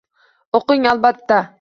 O'qing, albatta